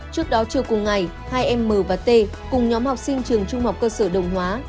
trước đó chiều cùng ngày hai em m và t cùng nhóm học sinh trường trung học cơ sở đồng hóa